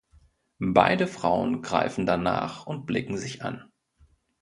Beide Frauen greifen danach und blicken sich an.